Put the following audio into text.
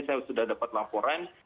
saya sudah dapat laporan